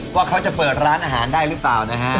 ว่าเขาจะเปิดร้านอาหารได้หรือเปล่านะฮะ